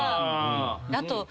あと。